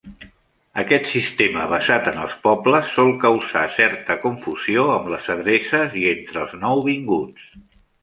Aquest sistema basat en els pobles sol causar certa confusió amb les adreces i entre els nouvinguts.